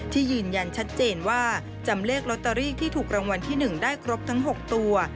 ยืนยันชัดเจนว่าจำเลขลอตเตอรี่ที่ถูกรางวัลที่๑ได้ครบทั้ง๖ตัว